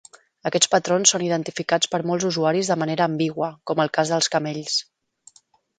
Aquests patrons són identificats per molts usuaris de manera ambigua, com el cas dels camells.